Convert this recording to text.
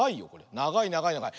ながいながいながい。